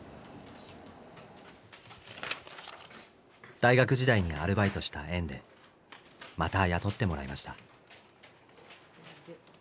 大学時代にアルバイトした縁でまた雇ってもらいました。